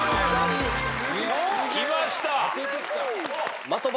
きました！